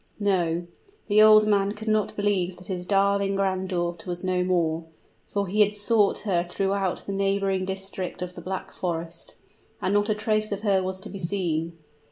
No: the old man could not believe that his darling granddaughter was no more for he had sought her throughout the neighboring district of the Black Forest, and not a trace of her was to be seen.